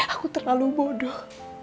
aku terlalu bodoh